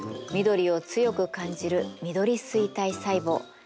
緑を強く感じる緑錐体細胞。